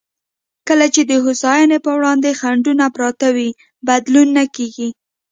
کله چې د هوساینې پر وړاندې خنډونه پراته وي، بدلون نه کېږي.